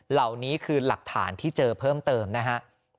เหล่านี้คือหลักฐานที่เจอเพิ่มเติมนะฮะ